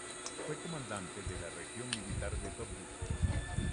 Fue comandante de la Región Militar de Tobruk.